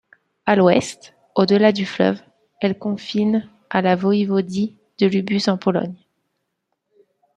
À l'ouest, au-delà du fleuve, elle confine à la voïvodie de Lubusz en Pologne.